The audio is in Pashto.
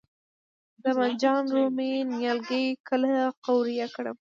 د بانجان رومي نیالګي کله قوریه کړم؟